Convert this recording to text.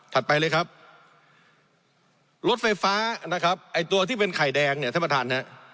ถัดไปเลยครับรถไฟฟ้านะครับไอ้ตัวที่เป็นไข่แดงเนี่ย